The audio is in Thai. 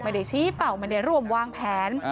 มันได้ชี้เป่ามันได้รวมวางแผน